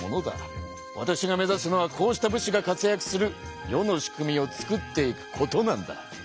わたしが目ざすのはこうした武士が活やくする世の仕組みをつくっていくことなんだ。